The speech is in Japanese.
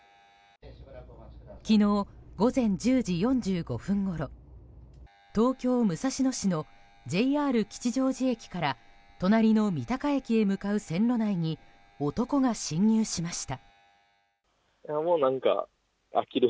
昨日午前１０時４５分ごろ東京・武蔵野市のＪＲ吉祥寺駅から隣の三鷹駅へ向かう線路内に男が侵入しました。